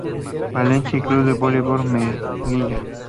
Valencia y Club Voleibol Melilla.